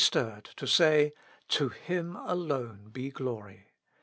stirred to say, "To Him alone be glory."